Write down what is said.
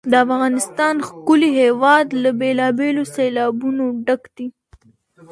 د افغانستان ښکلی هېواد له بېلابېلو سیلابونو ډک دی.